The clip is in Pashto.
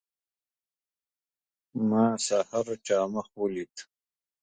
ما سحر چا مخ ولید.